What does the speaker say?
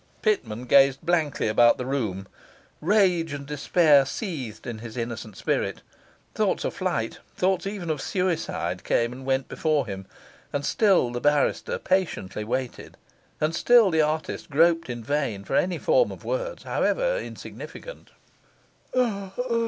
Pitman gazed blankly about the room; rage and despair seethed in his innocent spirit; thoughts of flight, thoughts even of suicide, came and went before him; and still the barrister patiently waited, and still the artist groped in vain for any form of words, however insignificant.